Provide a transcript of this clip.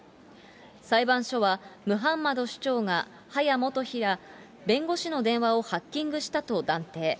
裁判所は、ムハンマド首長が、ハヤ元妃ら弁護士の電話をハッキングしたと断定。